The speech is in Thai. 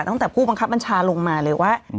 ตั้งแต่ผู้บังคับบัญชาลงมาเลยว่า